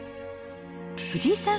藤井さん